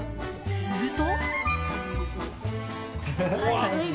［すると］